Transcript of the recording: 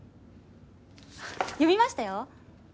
読みましたよ！